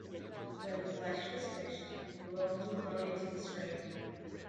When the flesh was finished the bones were thrown into the stream.